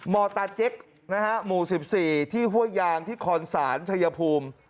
อตาเจ๊กหมู่๑๔ที่ห้วยยางที่คอนศาลชายภูมิ